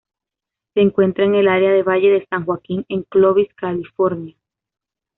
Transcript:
Se encuentra en el área del Valle de San Joaquín, en Clovis, California.